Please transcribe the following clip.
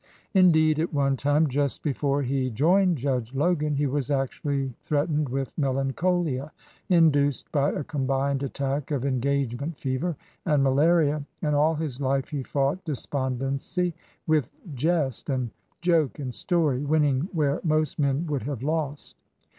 Indeed, at one time— just before he joined Judge Logan — he was actually threat ened with melancholia, induced by a combined attack of "engagement fever" and malaria, and all his life he fought despondency with jest and joke and story, winning where most men would have lost.